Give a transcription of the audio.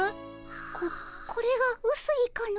ここれがうすいかの。